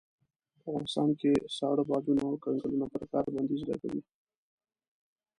په افغانستان کې ساړه بادونه او کنګلونه پر کار بنديز لګوي.